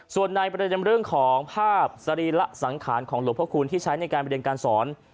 ส่วนในประเด็นเรื่องของภาพสรีระสังขารของหลวงพระคุณที่ใช้ในการเรียนการสอน